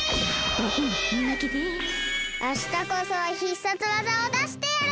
あしたこそは必殺技をだしてやる！